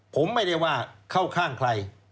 ผมไม่ได้ว่าเข้าข้างใคร